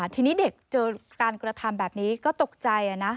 ทีนี้เด็กเจอการกระทำแบบนี้ก็ตกใจนะ